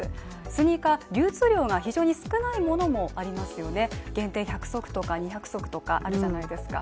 スニーカー流通量が非常に少ないものもありますよね、限定１００足とか２００足とかあるじゃないですか。